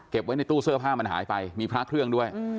ไว้ในตู้เสื้อผ้ามันหายไปมีพระเครื่องด้วย